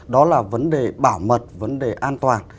đó là vấn đề bảo mật vấn đề an toàn